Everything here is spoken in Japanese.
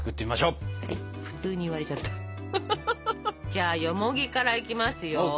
じゃあよもぎからいきますよ。